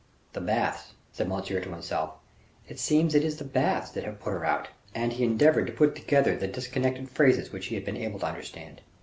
"The baths," said Monsieur to himself; "it seems it is the baths that have put her out." And he endeavored to put together the disconnected phrases which he had been able to understand.